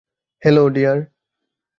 Hello, deer.